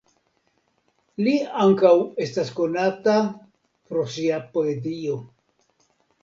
Li ankaŭ estas konata pro sia poezio.